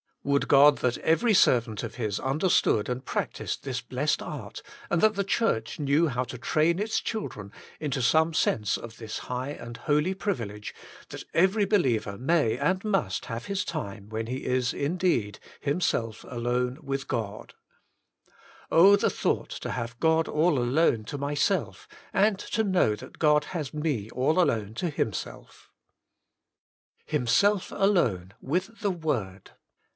Would God that every servant of His under stood and practised this blessed art, and that the Church knew how to train its children into some sense of this high and holy privilege, that every believer may and must have his time when he is indeed — himself alone with God. Oh! the 154 The Inner Chamber thought to have God all alone to myself, and to know that God has me all alone to Himself. 4. Himself Alone, with the Word.